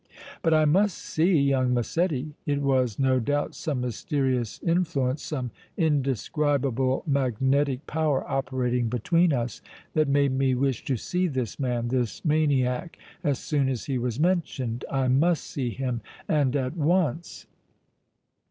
"But I must see young Massetti it was, no doubt, some mysterious influence, some indescribable magnetic power, operating between us, that made me wish to see this man, this maniac, as soon as he was mentioned! I must see him and at once!"